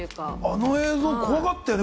あの映像怖かったよね。